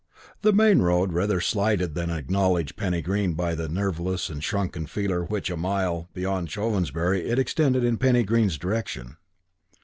The main road rather slighted than acknowledged Penny Green by the nerveless and shrunken feeler which, a mile beyond Chovensbury, it extended in Penny Green's direction.